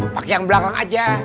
pakai yang belakang aja